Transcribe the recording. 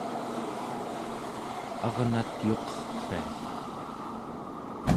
arnat yuqerrviat